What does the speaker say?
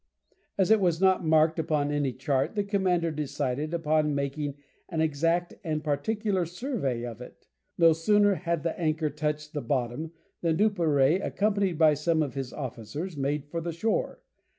As it was not marked upon any chart, the commander decided upon making an exact and particular survey of it. No sooner had the anchor touched the bottom than Duperrey, accompanied by some of his officers, made for the shore.